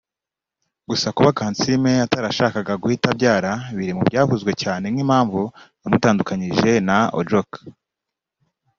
gusa kuba Kansiime atarashakaga guhita abyara biri mu byavuzwe cyane nk’impamvu yamutandukanyije na Ojok